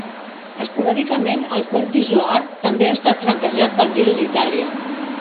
Esporàdicament el coll d'Izoard també ha estat franquejat pel Giro d'Itàlia.